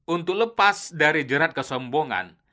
untuk lepas dari jerat kesombongan